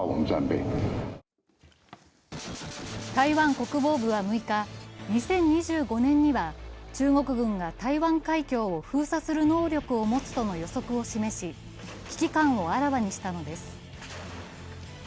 台湾国防部は６日、２０２５年には中国軍が台湾海峡を封鎖する能力を持つとの予測を示し、危機感をあらわにしたのです。